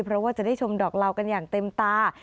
เพราะว่าจะได้ชมดอกเหล่ากันอย่างเต็มตา